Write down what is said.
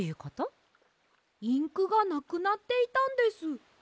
インクがなくなっていたんです。